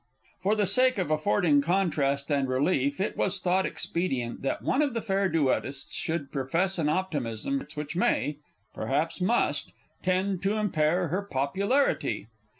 For the sake of affording contrast and relief, it was thought expedient that one of the fair duettists should profess an optimism which may perhaps must tend to impair her popularity.